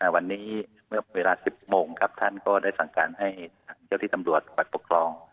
วันนี้เมื่อเวลา๑๐โมงครับท่านก็ได้สั่งการให้ทางเจ้าที่ตำรวจฝ่ายปกครอง